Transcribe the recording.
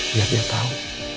biar dia tau